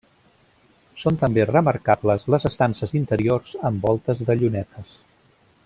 Són també remarcables les estances interiors amb voltes de llunetes.